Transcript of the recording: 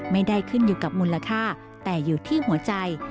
ไม่ได้ขึ้นอยู่กับมูลค่าแต่อยู่ที่หัวใจ